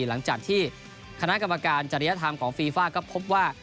หลังจากที่คณะกรรมการจริยธรรมของฟีฟ่าก็พบว่า